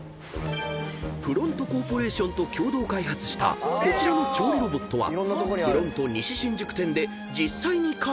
［プロントコーポレーションと共同開発したこちらの調理ロボットは］